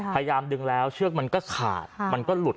พยายามดึงแล้วเชือกมันก็ขาดมันก็หลุด